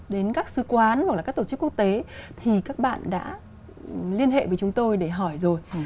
đến các sứ quán hoặc là các tổ chức quốc tế thì các bạn đã liên hệ với chúng tôi để hỏi rồi